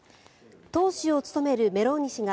党首を務めるメローニ氏が